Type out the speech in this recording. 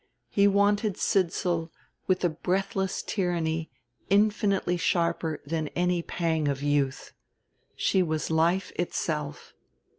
He wanted Sidsall with a breathless tyranny infinitely sharper than any pang of youth: she was life itself.